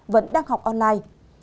vẫn đang học online